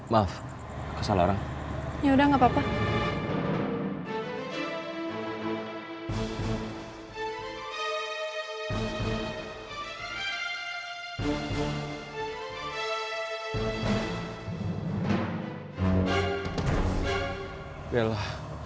maaf salah orang ya udah enggak papa